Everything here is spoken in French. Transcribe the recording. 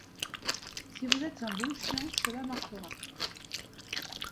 Si vous êtes un bon chien, cela marchera.